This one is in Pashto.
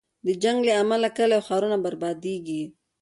د جنګ له امله کلی او ښارونه بربادېږي.